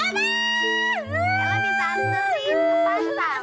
eh lebih santu sih ke pasar